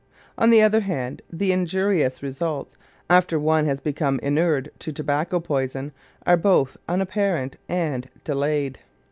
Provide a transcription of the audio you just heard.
On the other hand, the injurious results, after one has become inured to tobacco poison, are both unapparent and delayed.